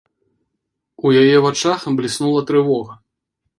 У яе вачах бліснула трывога.